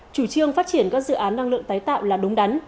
chủ trương phát triển các dự án năng lượng tái tạo là đúng đắn